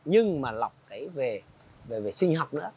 nhưng mà lọc cái về sinh học nữa